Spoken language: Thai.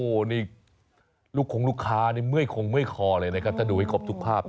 โอ้โหนี่ลูกคงลูกค้านี่เมื่อยคงเมื่อยคอเลยนะครับถ้าดูให้ครบทุกภาพ